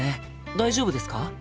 大丈夫ですか？